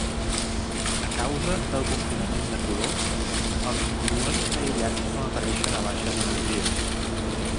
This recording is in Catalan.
A causa del confinament de color, els gluons aïllats no apareixen a baixes energies.